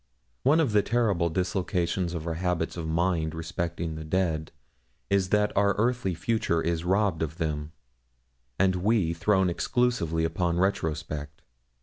One of the terrible dislocations of our habits of mind respecting the dead is that our earthly future is robbed of them, and we thrown exclusively upon retrospect.